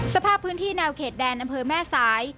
สภาพพื้นที่แนวเขตแดนอำเภอแม่สาย